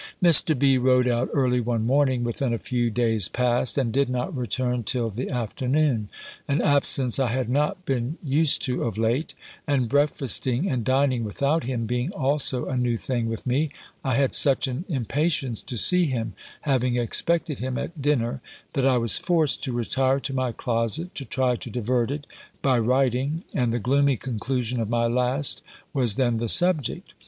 Mr. B. rode out early one morning, within a few days past, and did not return till the afternoon; an absence I had not been used to of late; and breakfasting and dining without him being also a new thing with me, I had such an impatience to see him, having expected him at dinner, that I was forced to retire to my closet, to try to divert it, by writing; and the gloomy conclusion of my last was then the subject.